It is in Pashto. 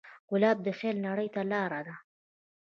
ګلاب د خیال نړۍ ته لاره ده.